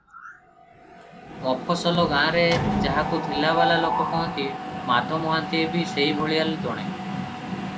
ମଫସଲ ଗାଁରେ ଯାହାକୁ ଥିଲାବାଲା ଲୋକ କହନ୍ତି, ମାଧ ମହାନ୍ତିଏ ବି ସେହିଭଳିଆ ଜଣେ ।